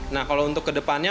nah kalau untuk ke depannya